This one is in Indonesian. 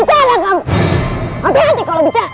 hati hati kalau bicara